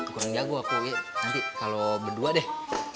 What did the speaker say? kurang jago aku nanti kalau berdua deh